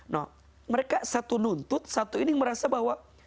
nah mereka satu nuntut satu ini merasa bahwa